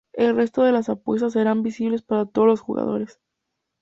El resto de las apuestas serán visibles para todos los jugadores.